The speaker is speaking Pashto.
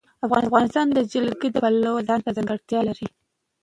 افغانستان د جلګه د پلوه ځانته ځانګړتیا لري.